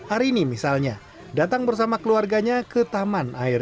arini misalnya datang bersama keluarganya ke taman air